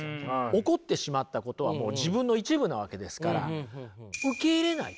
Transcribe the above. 起こってしまったことはもう自分の一部なわけですから受け入れないとね